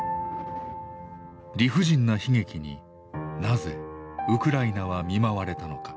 理不尽な悲劇になぜウクライナは見舞われたのか。